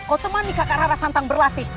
kok temani kakak rara santang berlatih